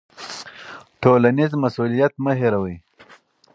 ټولنیز مسوولیت مه هیروئ.